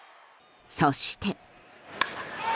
そして。